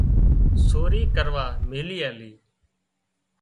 سوري ڪروا ميلي آلي